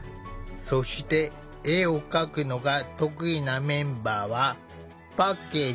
そして絵を描くのが得意なメンバーはパッケージのデザインを担当。